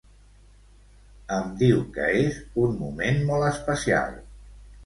Em diu que és un moment molt especial.